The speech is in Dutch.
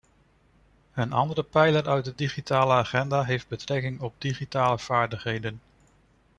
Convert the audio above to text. Een andere pijler uit de digitale agenda heeft betrekking op digitale vaardigheden.